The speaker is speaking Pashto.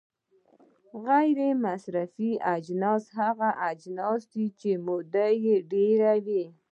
غیر مصرفي اجناس هغه اجناس دي چې موده یې ډیره وي.